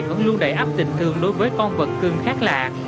vẫn luôn đẩy ấp tình thương đối với con vật cương khác lạ